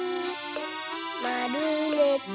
まるめて。